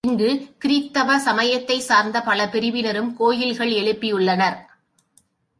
இங்குக் கிருத்தவ சமயத்தைச் சார்ந்த பல பிரிவினரும் கோவில்கள் எழுப்பியுள்ளனர்.